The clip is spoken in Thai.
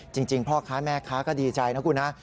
จริงพ่อค้าแม่ค้าก็ดีใจนะคุณนะ